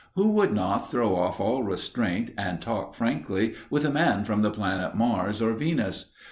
Who would not throw off all restraint and talk frankly with a man from the planet Mars or Venus?